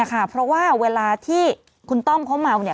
คือเวลาที่คุณต้อมเขาเงา